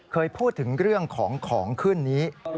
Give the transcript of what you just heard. เคยพูดถึงเรื่องของของขึ้นนี้